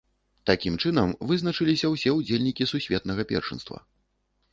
Такім чынам вызначыліся ўсе удзельнікі сусветнага першынства.